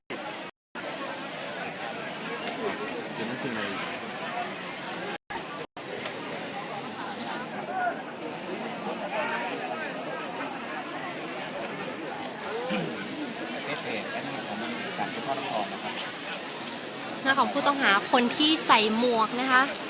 สั่งทุกข้อต้องหานะคะหน้าของผู้ตำหาคนที่ใส่มวกนะคะ